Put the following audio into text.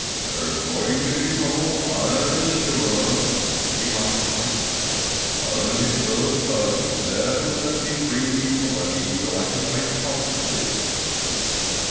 "There's going to be trouble, I'm sure," remarked the horse. "Unhitch those tugs, Zeb, and set me free from the buggy, so I can fight comfortably."